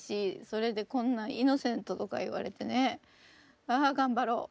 それでこんなイノセントとか言われてねああ頑張ろう。